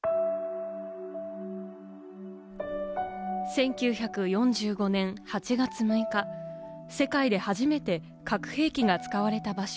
１９４５年８月６日、世界で初めて核兵器が使われた場所